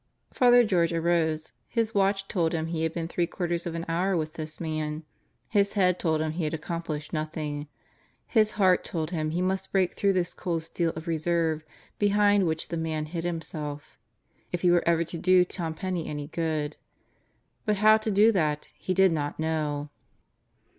Father George arose. His watch told him he had been three quarters of an hour with this man. His head told him he had accomplished nothing. His heart told him he must break through this cold steel of reserve behind which the man hid himself, if he were ever to do Tom Penney any good; but how to do that he did not know.